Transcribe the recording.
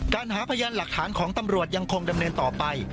หาพยานหลักฐานของตำรวจยังคงดำเนินต่อไป